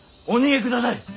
お逃げください。